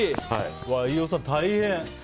飯尾さん、大変。